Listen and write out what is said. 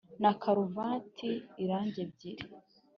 na karuvati irangi ebyiri